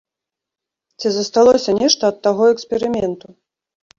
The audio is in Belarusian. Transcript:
Ці засталося нешта ад таго эксперыменту?